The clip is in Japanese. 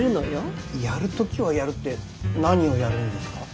やる時はやるって何をやるんですか。